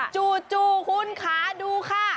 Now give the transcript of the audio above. จู่จู่คุณขาดูค่ะ